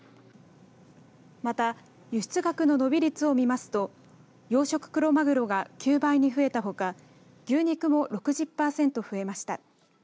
また輸出額の伸び率を見ますと養殖クロマグロが９倍に増えたほか牛肉も６０パーセント増えました。